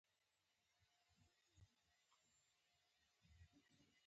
ژبه د مفاهمې وسیله ده